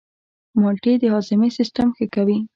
مالټې د هاضمې سیستم ښه کوي.